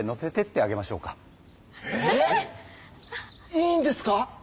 いいんですか？